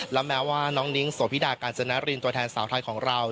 และแม้ว่าน้องนิ้งโสพิดากาญจนรินตัวแทนสาวไทยของเรา